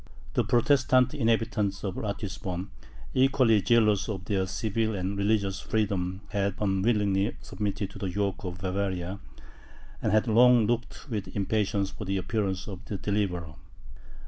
The Protestant inhabitants of Ratisbon, equally jealous of their civil and religious freedom, had unwillingly submitted to the yoke of Bavaria, and had long looked with impatience for the appearance of a deliverer.